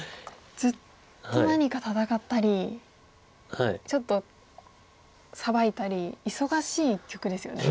ずっと何か戦ったりちょっとサバいたり忙しい一局ですよね。